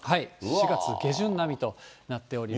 ４月下旬並みとなっております。